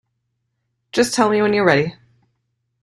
Just tell me when you're ready.